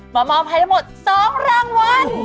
หมอมอมให้ทั้งหมด๒รางวัล